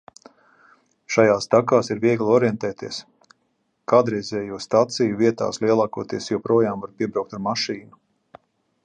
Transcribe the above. Šajās takās ir viegli orientēties, kādreizējo staciju vietās lielākoties joprojām var piebraukt ar mašīnu.